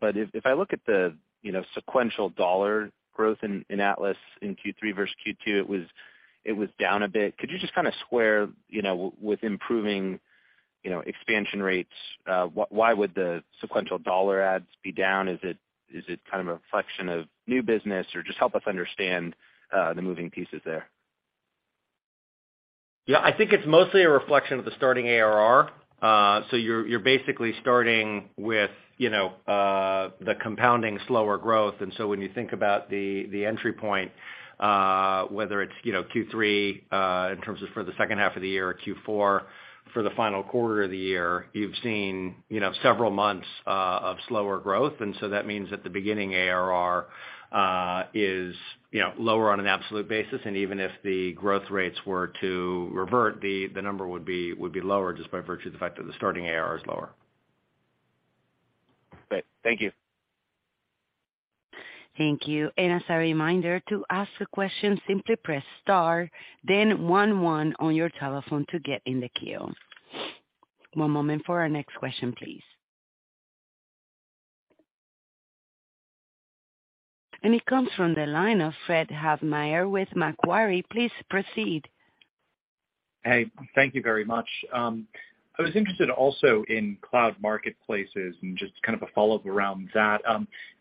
Speaker 12: If I look at the, you know, sequential dollar growth in Atlas in Q3 versus Q2, it was down a bit. Could you just kinda square, you know, with improving, you know, expansion rates, why would the sequential dollar adds be down? Is it kind of a reflection of new business? Just help us understand the moving pieces there.
Speaker 4: Yeah. I think it's mostly a reflection of the starting ARR. You're basically starting with, you know, the compounding slower growth. When you think about the entry point, whether it's, you know, Q3, in terms of for the second half of the year, or Q4 for the final quarter of the year, you've seen, you know, several months of slower growth. That means that the beginning ARR is, you know, lower on an absolute basis. Even if the growth rates were to revert, the number would be lower just by virtue of the fact that the starting ARR is lower.
Speaker 12: Great. Thank you.
Speaker 1: Thank you. As a reminder, to ask a question, simply press star then one on your telephone to get in the queue. One moment for our next question, please. It comes from the line of Fred Havemeyer with Macquarie. Please proceed.
Speaker 13: Hey, thank you very much. I was interested also in cloud marketplaces and just kind of a follow-up around that.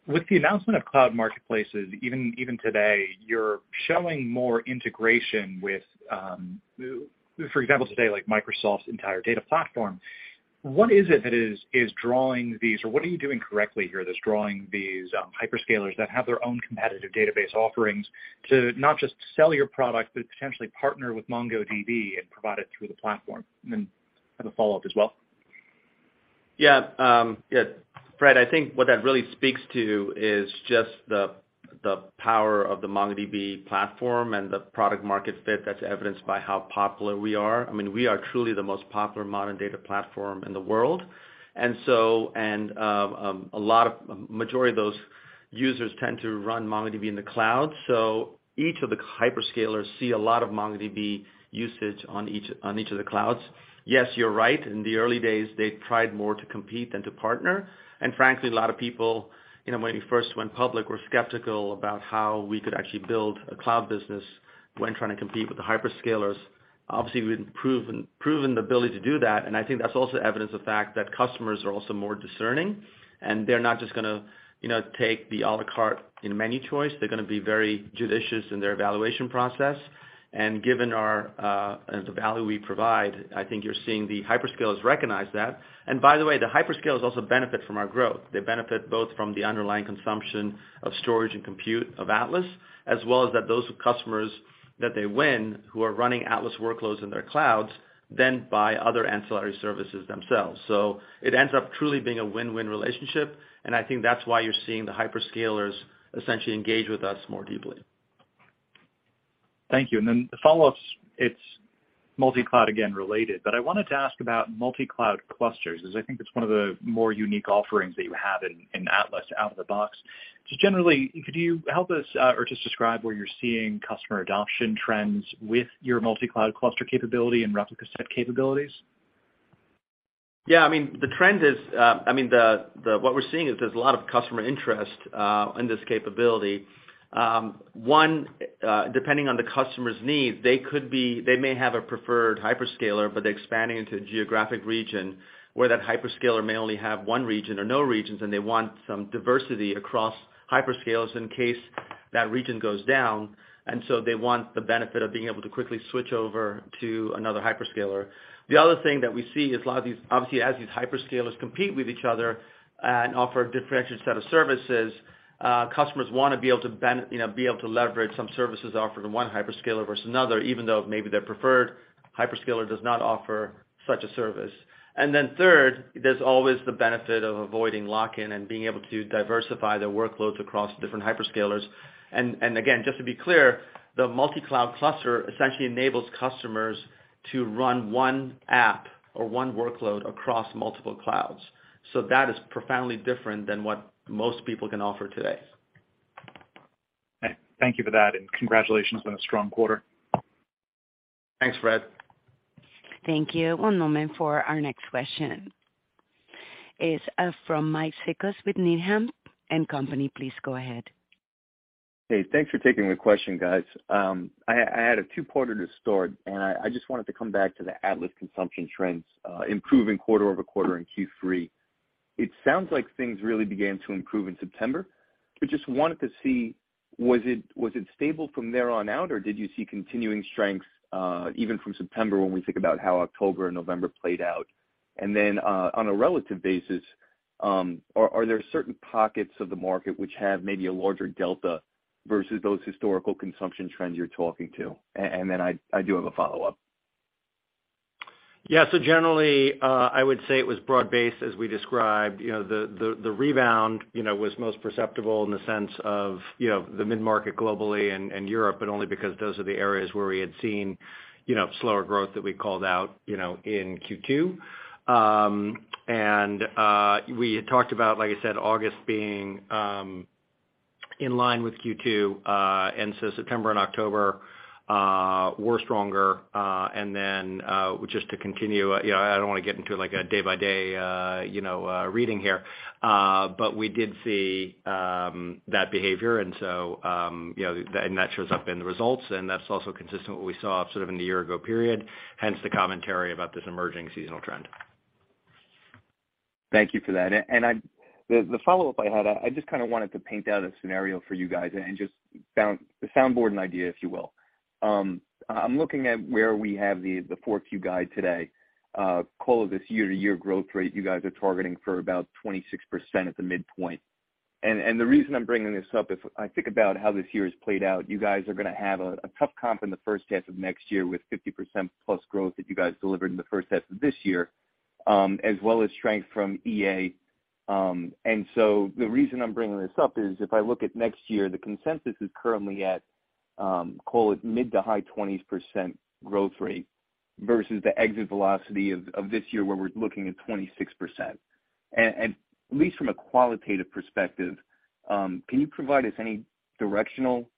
Speaker 13: With the announcement of cloud marketplaces, even today, you're showing more integration with, for example, today, like Microsoft's entire data platform. What is it that is drawing these, or what are you doing correctly here that's drawing these, hyperscalers that have their own competitive database offerings to not just sell your product, but potentially partner with MongoDB and provide it through the platform? I have a follow-up as well.
Speaker 3: Yeah. Fred, I think what that really speaks to is just the power of the MongoDB platform and the product market fit that's evidenced by how popular we are. I mean, we are truly the most popular modern data platform in the world. Majority of those users tend to run MongoDB in the cloud. Each of the hyperscalers see a lot of MongoDB usage on each, on each of the clouds. Yes, you're right. In the early days, they tried more to compete than to partner. Frankly, a lot of people, you know, when we first went public, were skeptical about how we could actually build a cloud business when trying to compete with the hyperscalers. Obviously, we've proven the ability to do that, and I think that's also evidence of fact that customers are also more discerning, and they're not just gonna, you know, take the a la carte, you know, menu choice. They're gonna be very judicious in their evaluation process. Given our the value we provide, I think you're seeing the hyperscalers recognize that. By the way, the hyperscalers also benefit from our growth. They benefit both from the underlying consumption of storage and compute of Atlas, as well as that those customers that they win who are running Atlas workloads in their clouds then buy other ancillary services themselves. It ends up truly being a win-win relationship, and I think that's why you're seeing the hyperscalers essentially engage with us more deeply.
Speaker 13: Thank you. The follow-up, it's multi-cloud again related, but I wanted to ask about multi-cloud clusters, as I think it's one of the more unique offerings that you have in Atlas out of the box. Just generally, could you help us, or just describe where you're seeing customer adoption trends with your multi-cloud cluster capability and replica set capabilities?
Speaker 3: Yeah, I mean, the trend is, I mean, what we're seeing is there's a lot of customer interest in this capability. One, depending on the customer's needs, they may have a preferred hyperscaler, but they're expanding into a geographic region where that hyperscaler may only have one region or no regions, and they want some diversity across hyperscales in case that region goes down. They want the benefit of being able to quickly switch over to another hyperscaler. The other thing that we see is a lot of these, obviously, as these hyperscalers compete with each other and offer a differentiated set of services, customers wanna be able to, you know, be able to leverage some services offered in one hyperscaler versus another, even though maybe their preferred hyperscaler does not offer such a service. Third, there's always the benefit of avoiding lock-in and being able to diversify their workloads across different hyperscalers. Again, just to be clear, the multi-cloud cluster essentially enables customers to run one app or one workload across multiple clouds. That is profoundly different than what most people can offer today.
Speaker 13: Thank you for that, and congratulations on a strong quarter.
Speaker 3: Thanks, Fred.
Speaker 1: Thank you. One moment for our next question. It's from Mike Cikos with Needham & Company. Please go ahead.
Speaker 14: Hey, thanks for taking the question, guys. I had a two-parter to start, and I just wanted to come back to the Atlas consumption trends, improving quarter-over-quarter in Q3. It sounds like things really began to improve in September. I just wanted to see, was it stable from there on out, or did you see continuing strength, even from September when we think about how October and November played out? Then, on a relative basis, are there certain pockets of the market which have maybe a larger delta versus those historical consumption trends you're talking to? Then I do have a follow-up.
Speaker 3: Yeah. Generally, I would say it was broad-based as we described. You know, the, the rebound, you know, was most perceptible in the sense of, you know, the mid-market globally and Europe, only because those are the areas where we had seen, you know, slower growth that we called out, you know, in Q2. We had talked about, like I said, August being in line with Q2, September and October were stronger. Just to continue, you know, I don't wanna get into, like, a day-by-day, you know, reading here, we did see that behavior. You know, and that shows up in the results, and that's also consistent with what we saw sort of in the year ago period, hence the commentary about this emerging seasonal trend.
Speaker 14: Thank you for that. The follow-up I had, I just kind of wanted to paint out a scenario for you guys and just soundboard an idea, if you will. I'm looking at where we have the fourth Q guide today, call it this year-to-year growth rate you guys are targeting for about 26% at the midpoint. The reason I'm bringing this up is I think about how this year has played out. You guys are gonna have a tough comp in the first half of next year with 50%+ growth that you guys delivered in the first half of this year, as well as strength from EA. The reason I'm bringing this up is if I look at next year, the consensus is currently at, call it mid-to-high 20% growth rate versus the exit velocity of this year, where we're looking at 26%. At least from a qualitative perspective, can you provide us any directional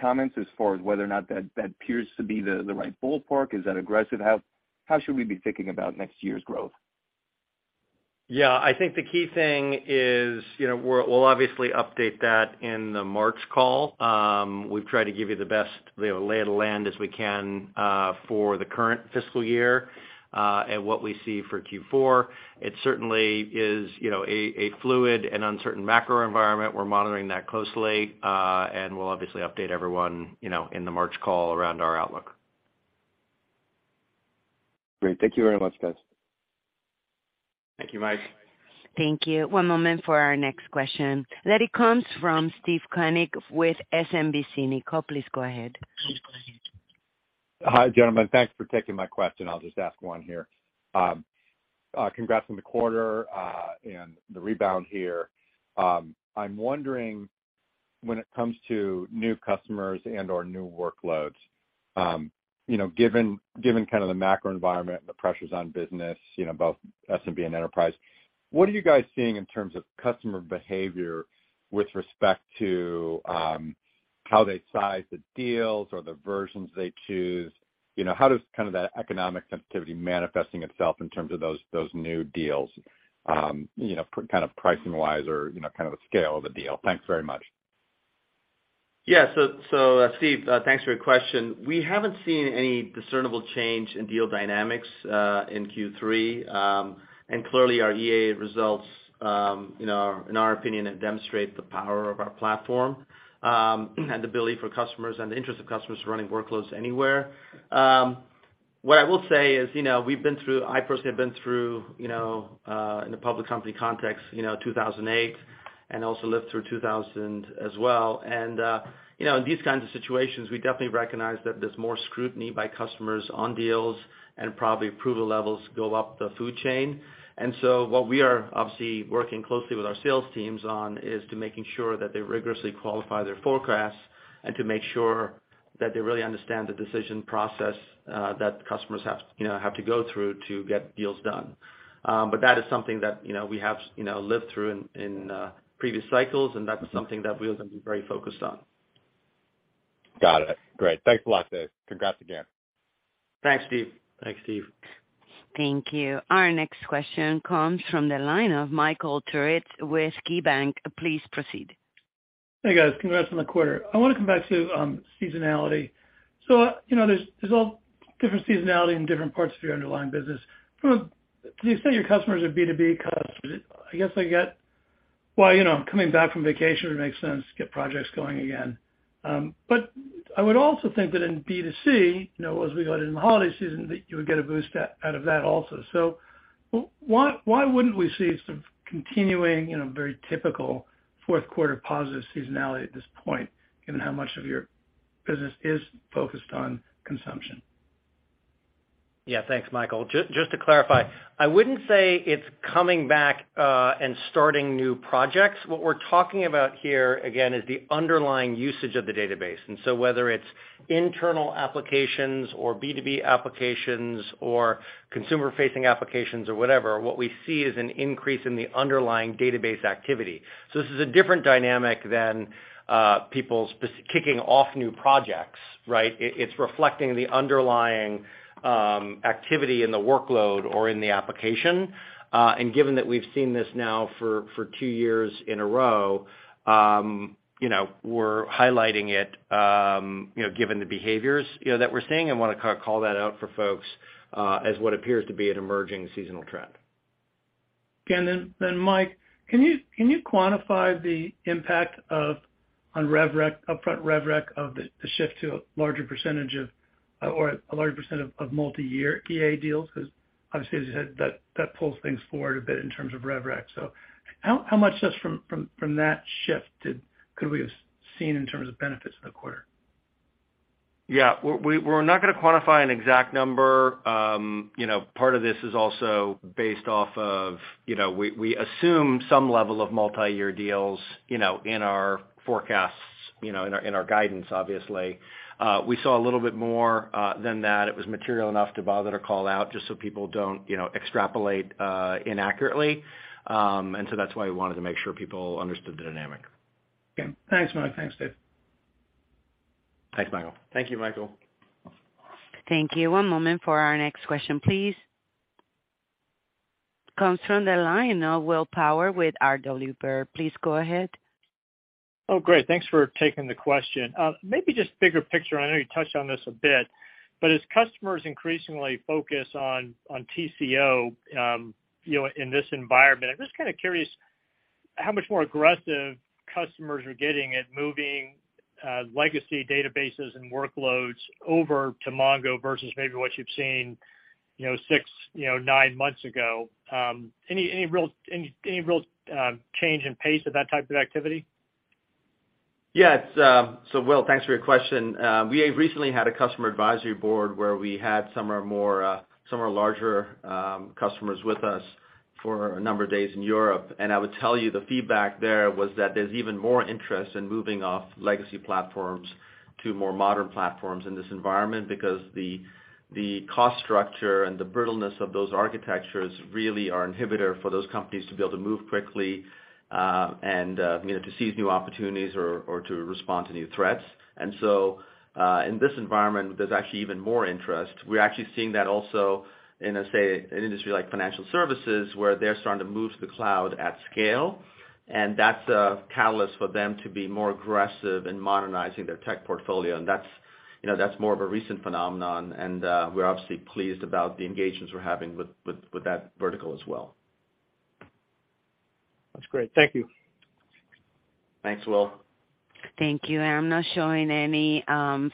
Speaker 14: comments as far as whether or not that appears to be the right ballpark? Is that aggressive? How should we be thinking about next year's growth?
Speaker 3: Yeah. I think the key thing is, you know, we'll obviously update that in the March call. We've tried to give you the best lay of the land as we can for the current fiscal year and what we see for Q4. It certainly is, you know, a fluid and uncertain macro environment. We're monitoring that closely and we'll obviously update everyone, you know, in the March call around our outlook.
Speaker 14: Great. Thank you very much, guys.
Speaker 3: Thank you, Mike.
Speaker 1: Thank you. One moment for our next question. That it comes from Steve Koenig with SMBC Nikko. Please go ahead.
Speaker 15: Hi, gentlemen. Thanks for taking my question. I'll just ask one here. Congrats on the quarter, and the rebound here. I'm wondering when it comes to new customers and/or new workloads, you know, given kind of the macro environment and the pressures on business, you know, both SMB and enterprise, what are you guys seeing in terms of customer behavior with respect to how they size the deals or the versions they choose? How does kind of that economic sensitivity manifesting itself in terms of those new deals, you know, kind of pricing-wise or, kind of the scale of the deal? Thanks very much.
Speaker 3: Yeah. Steve, thanks for your question. We haven't seen any discernible change in deal dynamics in Q3. Clearly our EA results, in our opinion, demonstrate the power of our platform and the ability for customers and the interest of customers running workloads anywhere. What I will say is, you know, I personally have been through, you know, in the public company context, you know, 2008, and also lived through 2000 as well. You know, in these kinds of situations, we definitely recognize that there's more scrutiny by customers on deals and probably approval levels go up the food chain. What we are obviously working closely with our sales teams on is to making sure that they rigorously qualify their forecasts and to make sure that they really understand the decision process that customers have, you know, to go through to get deals done. That is something that, you know, we have, you know, lived through in previous cycles, and that is something that we'll be very focused on.
Speaker 15: Got it. Great. Thanks a lot, Dev. Congrats again.
Speaker 3: Thanks, Steve.
Speaker 4: Thanks, Steve.
Speaker 1: Thank you. Our next question comes from the line of Michael Turits with KeyBanc. Please proceed.
Speaker 16: Hey, guys. Congrats on the quarter. I wanna come back to seasonality. You know, there's all different seasonality in different parts of your underlying business. You say your customers are B2B customers. Well, you know, coming back from vacation, it makes sense to get projects going again. I would also think that in B2C, you know, as we go into the holiday season, that you would get a boost out of that also. Why, why wouldn't we see some continuing, you know, very typical fourth quarter positive seasonality at this point, given how much of your business is focused on consumption?
Speaker 3: Yeah. Thanks, Michael. Just to clarify, I wouldn't say it's coming back, and starting new projects. What we're talking about here, again, is the underlying usage of the database, and so whether it's internal applications or B2B applications or consumer-facing applications or whatever, what we see is an increase in the underlying database activity. This is a different dynamic than people kicking off new projects, right? It's reflecting the underlying activity in the workload or in the application. Given that we've seen this now for two years in a row, you know, we're highlighting it, you know, given the behaviors, you know, that we're seeing and wanna call that out for folks as what appears to be an emerging seasonal trend.
Speaker 16: Then Mike, can you quantify the impact on rev rec upfront rev rec of the shift to a larger percentage of or a larger percent of multi-year EA deals? Obviously, as you said, that pulls things forward a bit in terms of rev rec. How much just from that shift did, could we have seen in terms of benefits in the quarter?
Speaker 4: Yeah. We're not gonna quantify an exact number. You know, part of this is also based off of, you know, we assume some level of multi-year deals, you know, in our forecasts, you know, in our guidance, obviously. We saw a little bit more than that. It was material enough to bother to call out just so people don't, you know, extrapolate inaccurately. That's why we wanted to make sure people understood the dynamic.
Speaker 16: Okay. Thanks, Mike. Thanks, Dev.
Speaker 3: Thanks, Michael.
Speaker 4: Thank you, Michael.
Speaker 1: Thank you. One moment for our next question, please. Comes from the line of Will Power with R.W. Baird. Please go ahead.
Speaker 17: Oh, great. Thanks for taking the question. Maybe just bigger picture, I know you touched on this a bit, but as customers increasingly focus on TCO, you know, in this environment, I'm just kinda curious how much more aggressive customers are getting at moving legacy databases and workloads over to Mongo versus maybe what you've seen, you know, six, nine months ago. Any real change in pace of that type of activity?
Speaker 3: Yeah. It's. Will, thanks for your question. We recently had a customer advisory board where we had some of our more, some of our larger customers with us for a number of days in Europe. I would tell you the feedback there was that there's even more interest in moving off legacy platforms to more modern platforms in this environment because the cost structure and the brittleness of those architectures really are inhibitor for those companies to be able to move quickly, and, you know, to seize new opportunities or to respond to new threats. In this environment, there's actually even more interest. We're actually seeing that also in, let's say, an industry like financial services, where they're starting to move to the cloud at scale, and that's a catalyst for them to be more aggressive in modernizing their tech portfolio. That's, you know, that's more of a recent phenomenon, and we're obviously pleased about the engagements we're having with that vertical as well.
Speaker 17: That's great. Thank you.
Speaker 3: Thanks, Will.
Speaker 1: Thank you. I'm not showing any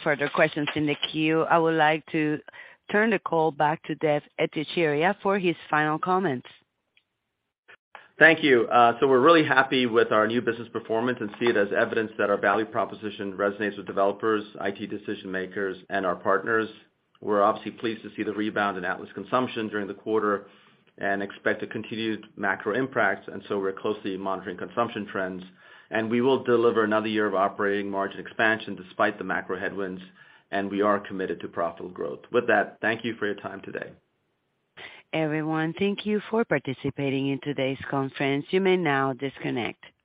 Speaker 1: further questions in the queue. I would like to turn the call back to Dev Ittycheria for his final comments.
Speaker 3: Thank you. We're really happy with our new business performance and see it as evidence that our value proposition resonates with developers, IT decision-makers, and our partners. We're obviously pleased to see the rebound in Atlas consumption during the quarter, expect a continued macro impact, we're closely monitoring consumption trends. We will deliver another year of operating margin expansion despite the macro headwinds, and we are committed to profitable growth. With that, thank you for your time today.
Speaker 1: Everyone, thank you for participating in today's conference. You may now disconnect. Good day.